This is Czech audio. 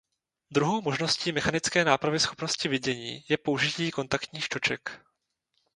Druhou možností mechanické nápravy schopnosti vidění je použití kontaktních čoček.